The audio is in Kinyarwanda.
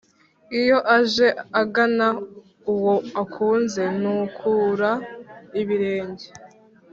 Iyo aje agana uwo akunze, Ntukura ibirenge,